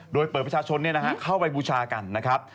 โดยเปิดประชาชนเนี่ยนะฮะเข้าไปบูชากันนะครับ